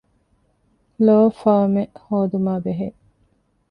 ލޯފާމެއް ހޯދުމާ ބެހޭ